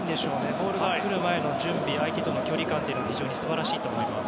ボールが来る前の準備相手との距離感も非常に素晴らしいです。